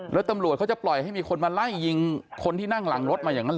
แล้วตำรวจเขาจะปล่อยให้มีคนมาไล่ยิงคนที่นั่งหลังรถมาอย่างนั้นเห